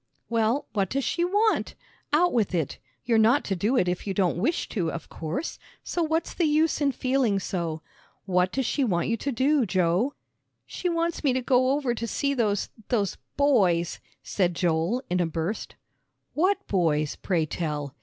"Well, what does she want? Out with it. You're not to do it if you don't wish to, of course, so what's the use in feeling so? What does she want you to do, Joe?" "She wants me to go over to see those those boys," said Joel, in a burst. "What boys, pray tell?"